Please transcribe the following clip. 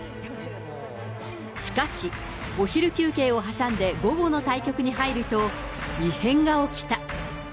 しかし、お昼休憩を挟んで午後の対局に入ると、異変が起きた。